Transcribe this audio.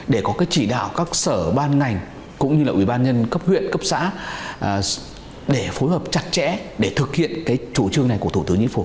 để có cái chỉ đạo các sở ban ngành cũng như là ủy ban nhân cấp huyện cấp xã để phối hợp chặt chẽ để thực hiện cái chủ trương này của thủ tướng chính phủ